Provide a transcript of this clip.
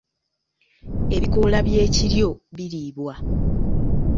Ebikoola by’ekiryo biriibwa.